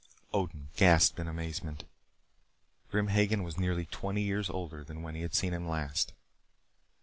Odin gasped in amazement. Grim Hagen was nearly twenty years older than when he had seen him last.